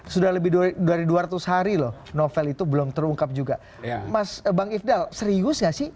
sudah lebih dari dua ratus hari loh novel itu belum terungkap juga mas bang ifdal serius nggak sih